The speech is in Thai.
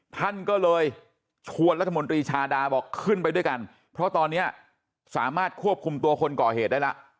ท่านก็เลยชวนรัฐมนตรีชาดาบอกขึ้นไปด้วยกันเพราะตอนนี้สามารถควบคุมตัวคนก่อเหตุได้แล้ว